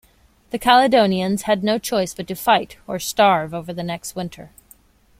The Caledonians had no choice but to fight, or starve over the next winter.